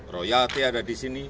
royalti ada di sini